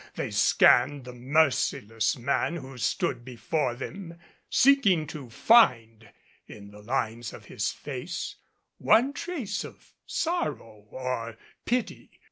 They scanned the merciless man who stood before them, seeking to find in the lines of his face one trace of sorrow or pity.